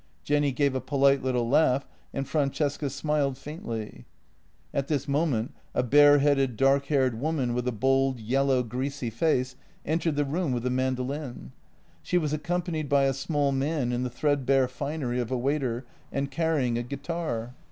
Jenny gave a polite little laugh, and Francesca smiled faintly. At this moment a bare headed, dark haired woman with a bold, yellow, greasy face entered the room with a mandolin. She was accompanied by a small man in the threadbare finery of a waiter, and carrying a guitar.